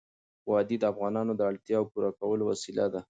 وادي د افغانانو د اړتیاوو د پوره کولو وسیله ده.